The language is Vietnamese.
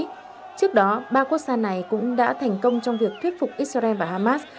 trước đó ba quốc gia này cũng đã thành công trong việc thuyết phục israel và hamas